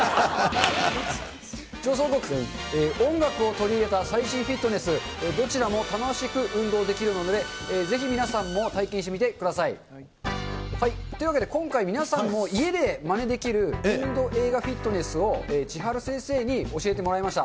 調査報告、音楽を取り入れた最新フィットネス、どちらも楽しく運動できるので、ぜひ皆さんも体験してみてください。というわけで、今回、皆さんも家でまねできるインド映画フィットネスを千晴先生に教えてもらいました。